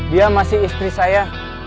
dia masih istri saya